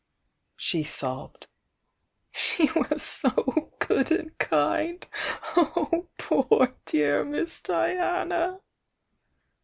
she sobbed. "She was so good and kind! Oh, poor, dear Miss Diana!"